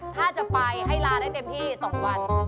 ถ้าจะไปให้ลาได้เต็มที่๒วัน